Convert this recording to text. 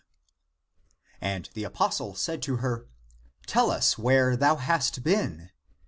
And the apostle said to her, " Tell us where thou hast been."